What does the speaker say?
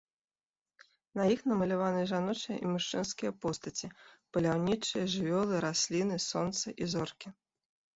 На іх намаляваны жаночыя і мужчынскія постаці, паляўнічыя, жывёлы, расліны, сонца і зоркі.